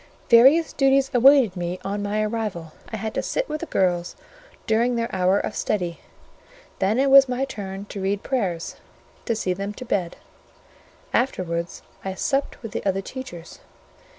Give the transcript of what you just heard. Various duties awaited me on my arrival: I had to sit with the girls during their hour of study; then it was my turn to read prayers; to see them to bed: afterwards I supped with the other teachers.